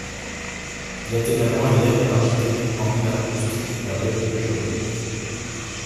Il est également élève de l’architecte Henri Labrouste et d'Abel de Pujol.